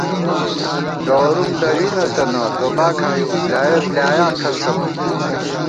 گوَرُوم درِی نَتَنہ توبا کھائیؤ ، بۡلیایَہ بۡلیا کھڅ تمان